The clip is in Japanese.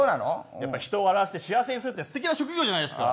人を笑わせて幸せにするすてきな職業じゃないですか。